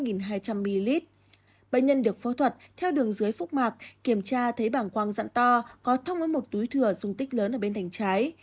bệnh nhân được phô thuật theo đường dưới phúc mạc kiểm tra thấy bằng quang dặn to có thông ở một túi thừa dung tích lớn ở bên thành trái